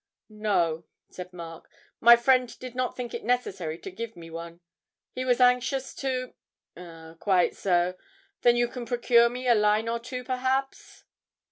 'No,' said Mark, 'my friend did not think it necessary to give me one he was anxious to ' 'Oh, quite so then you can procure me a line or two perhaps?'